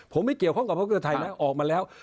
ผมไม่เกี่ยวข้องกับภาคเพื่อไทยนะออกมาแล้ว